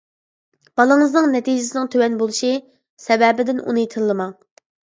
بالىڭىزنىڭ نەتىجىسىنىڭ تۆۋەن بولۇشى سەۋەبىدىن ئۇنى تىللىماڭ.